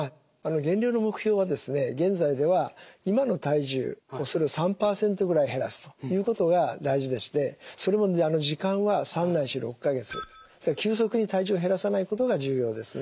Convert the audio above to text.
減量の目標は現在では今の体重それを３％ぐらい減らすということが大事でしてそれも時間は３ないし６か月急速に体重を減らさないことが重要ですね。